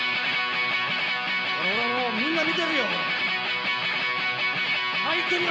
ほら、もうみんな見てるよ、ほれ！